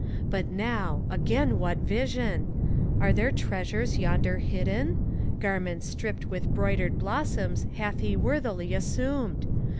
But now, again, what vision! Are there treasures yonder hidden ? Garments striped with broidered blossoms Hath he worthily assumed.